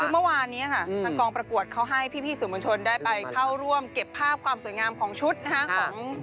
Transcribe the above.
คือเมื่อวานนี้ค่ะทางกองประกวดเขาให้พี่สื่อมวลชนได้ไปเข้าร่วมเก็บภาพความสวยงามของชุดนะฮะของ